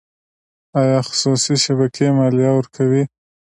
آیا خصوصي شبکې مالیه ورکوي؟